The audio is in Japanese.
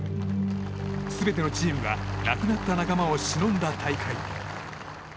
全てのチームが亡くなった仲間をしのんだ大会。